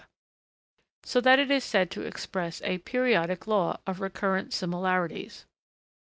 so that it is said to express a periodic law of recurrent similarities.